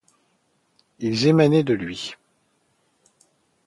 Ils émanaient de lui.